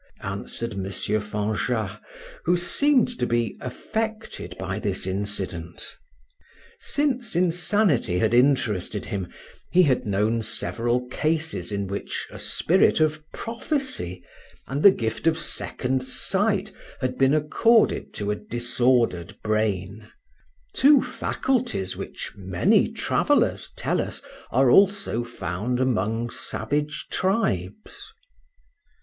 answered M. Fanjat, who seemed to be affected by this incident. Since insanity had interested him, he had known several cases in which a spirit of prophecy and the gift of second sight had been accorded to a disordered brain two faculties which many travelers tell us are also found among savage tribes.